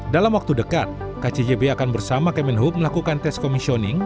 dalam waktu dekat kcjb akan bersama kemenhub melakukan tes komisioning